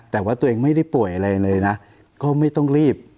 แต่ว่าตัวเองไม่ได้ป่วยอะไรเลยนะก็ไม่ต้องรีบ